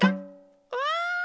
うわ。